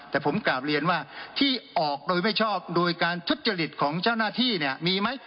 แต่ผมกลับเรียนว่าที่ออกโดยไม่ชอบโดยการทุจริตของเจ้าหน้าที่เนี่ยมีไหม